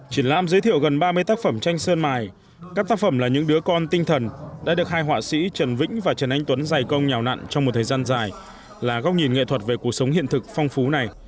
triển lãm giới thiệu gần ba mươi tác phẩm tranh sơn mài các tác phẩm là những đứa con tinh thần đã được hai họa sĩ trần vĩnh và trần anh tuấn giải công nhào nặng trong một thời gian dài là góc nhìn nghệ thuật về cuộc sống hiện thực phong phú này